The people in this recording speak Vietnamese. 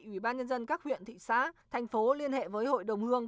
ubnd các huyện thị xã thành phố liên hệ với hội đồng hương